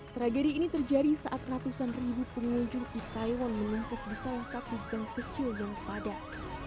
tragedi ini terjadi saat ratusan ribu pengunjung di taiwan menumpuk di salah satu gang kecil yang padat